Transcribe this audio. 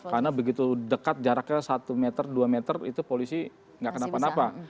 karena begitu dekat jaraknya satu meter dua meter itu polisi tidak kenapa napa